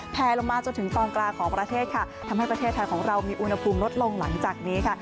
แพลลงมาจนถึงตอนกลางของประเทศค่ะทำให้ประเทศไทยของเรามีอุณหภูมิลดลงหลังจากนี้ค่ะ